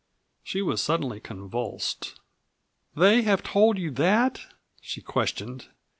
She was suddenly convulsed. "They have told you that?" she questioned.